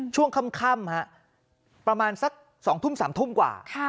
ช่วงค่ำประมาณสัก๒ทุ่ม๓ทุ่มกว่า